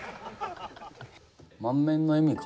満面の笑みかな